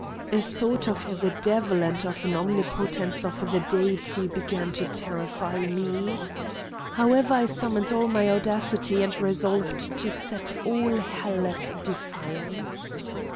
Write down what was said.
A thought of the devil and of an omnipotence of the deity began to terrify me. However, I summoned all my audacity, and resolved to set all hell at defiance.